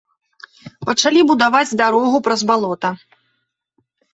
Пачалі будаваць дарогу праз балота.